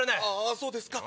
そうですか。